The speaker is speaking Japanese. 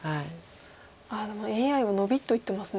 でもＡＩはノビと言ってます。